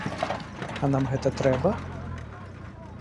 А нам гэта трэба?!